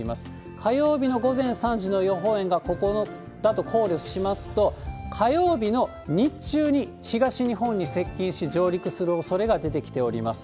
火曜日の午前３時の予報円がここだと考慮しますと、火曜日の日中に東日本に接近し、上陸するおそれが出てきております。